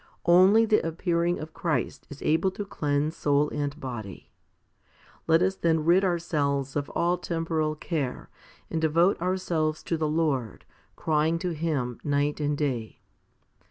Only the appearing of Christ is able to cleanse soul and body. Let us then rid ' ourselves of all temporal care, and devote ourselves to the Lord, crying to Him night and day.